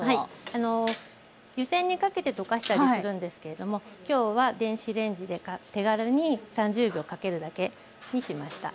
あの湯煎にかけて溶かしたりするんですけれども今日は電子レンジで手軽に３０秒かけるだけにしました。